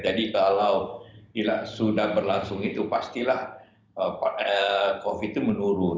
jadi kalau sudah berlangsung itu pastilah covid sembilan belas itu menurun